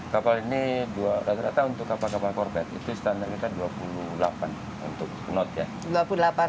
kapal ini rata rata untuk kapal kapal korpet itu standar kita dua puluh delapan untuk knot ya